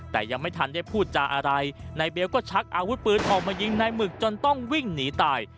แต่ยังไม่ทันได้พูดจาอะไรนายเบลก็ชักอาวุธปืนออกมายิงนายหมึกจนต้องวิ่งหนีตาย